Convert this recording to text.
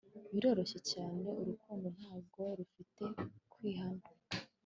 Biroroshye cyane urukundo ntabwo rufite kwihana